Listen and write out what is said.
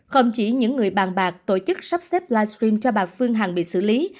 không chỉ những người bàn bạc tổ chức sắp xếp livestream cho bà phương hằng bị xử lý